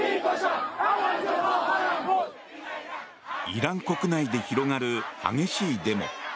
イラン国内で広がる激しいデモ。